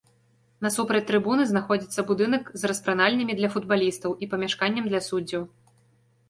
Насупраць трыбуны знаходзіцца будынак з распранальнямі для футбалістаў і памяшканнем для суддзяў.